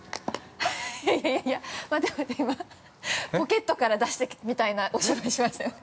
◆いやいやいや待って待って、今、ポケットから出してきたみたいなお芝居しましたよね。